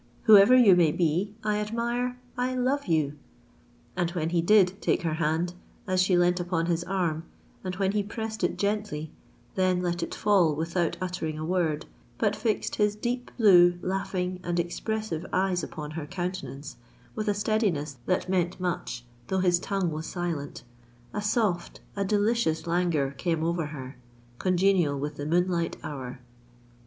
whoever you may be, I admire—I love you!" And when he did take her hand, as she leant upon his arm, and when he pressed it gently—then let it fall without uttering a word, but fixed his deep blue, laughing, and expressive eyes upon her countenance with a steadiness that meant much though his tongue was silent, a soft—a delicious languor came over her, congenial with the moonlight hour.